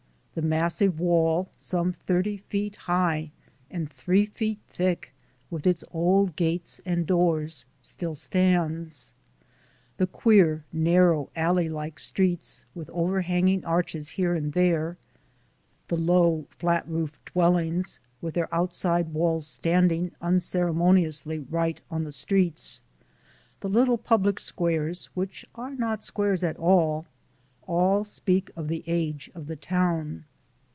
The massive wall, some thirty feet high and three feet thick, with its old gates and doors, still stands. The queer, narrow, alley like streets, with overhanging arches here and there ; the low, flat roofed dwellings, with their outside walls standing unceremoniously right on the streets ; the little public squares, which are not squares at all, all speak of the age of the town.